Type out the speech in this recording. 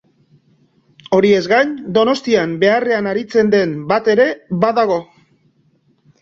Horiez gain, Donostian beharrean aritzen den bat ere badago.